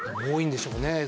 多いんでしょうね。